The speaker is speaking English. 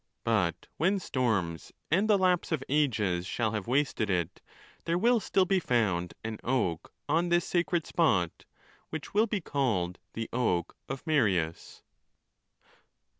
But when storms and the lapse of ages shall have wasted it, there will still be found an oak on this sacred spot, which will be called the Oak Marius.